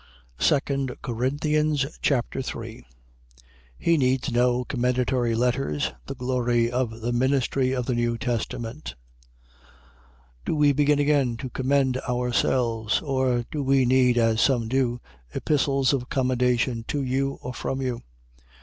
2 Corinthians Chapter 3 He needs no commendatory letters. The glory of the ministry of the New Testament. 3:1. Do we begin again to commend ourselves? Or do we need (as some do) epistles of commendation to you, or from you?